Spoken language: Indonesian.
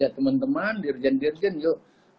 teman teman dirjen dirjen yuk